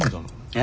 え？